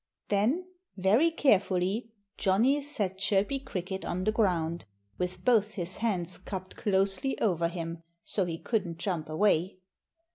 Then, very carefully, Johnnie set Chirpy Cricket on the ground, with both his hands cupped closely over him, so he couldn't jump away.